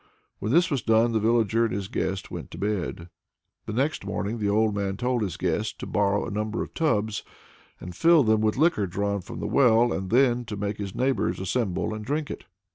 When this was done the villager and his guest went to bed. Next morning the old man told his guest to borrow a number of tubs, and fill them with liquor drawn from the well, and then to make his neighbors assemble and drink it.